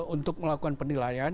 untuk melakukan penilaian